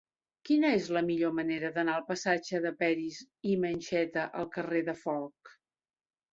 Quina és la millor manera d'anar del passatge de Peris i Mencheta al carrer de Folc?